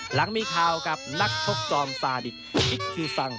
หลังมีข่าวกับนักชกจอมซาดิตคิกคิวซัง